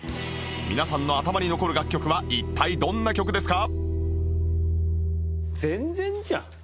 皆さんの頭に残る楽曲は一体どんな曲ですか？